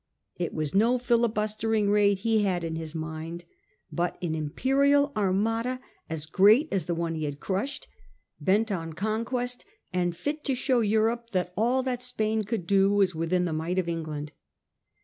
It was no filibustering raid he had in his mind, but an imperial Armada as great as the one he had crushed, bent on conquest, and fit to show Europe that all that Spain could do was within the might of England.